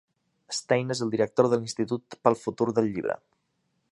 Stein és el director de l'Institut pel Futur del Llibre.